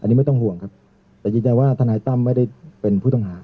อันนี้ไม่ต้องห่วงครับแต่ยืนยันว่าทนายตั้มไม่ได้เป็นผู้ต้องหา